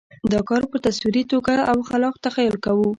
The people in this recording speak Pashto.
دا کار په تصوري توګه او خلاق تخیل کوو.